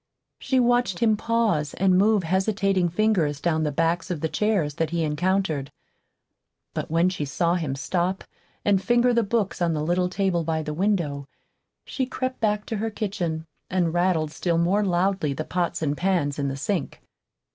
She watched him pause and move hesitating fingers down the backs of the chairs that he encountered. But when she saw him stop and finger the books on the little table by the window, she crept back to her kitchen and rattled still more loudly the pots and pans in the sink.